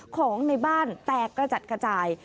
ของในบ้านแตกกระจัดกระจาย